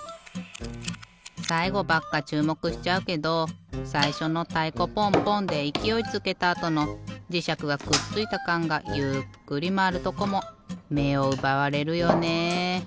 さいごばっかちゅうもくしちゃうけどさいしょのたいこポンポンでいきおいつけたあとのじしゃくがくっついたカンがゆっくりまわるとこもめをうばわれるよね。